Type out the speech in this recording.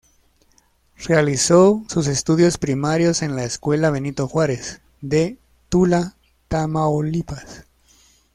Realizó sus estudios primarios en la escuela Benito Juárez, de Tula, Tamaulipas.